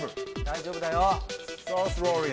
大丈夫だよ。